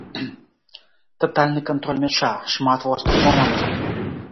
Татальны кантроль мяча, шмат вострых момантаў.